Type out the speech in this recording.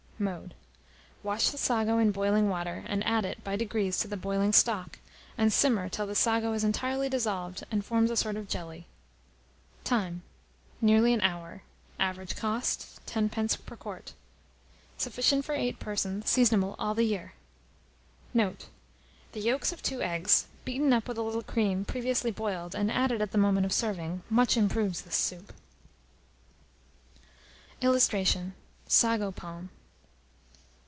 Mode. Wash the sago in boiling water, and add it, by degrees, to the boiling stock, and simmer till the sago is entirely dissolved, and forms a sort of jelly. Time. Nearly an hour. Average cost, 10d. per quart. Sufficient for 8 persons. Seasonable all the year. Note. The yolks of 2 eggs, beaten up with a little cream, previously boiled, and added at the moment of serving, much improves this soup. [Illustration: SAGO PALM.